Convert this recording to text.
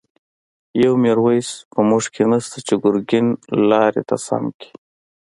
يو” ميرويس ” په موږکی نشته، چی ګر ګين لاری ته سم کړی